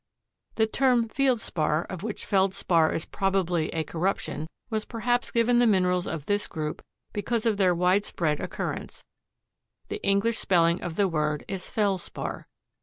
The term field spar, of which Feldspar is probably a corruption, was perhaps given the minerals of this group because of their widespread occurrence. The English spelling of the word is Felspar.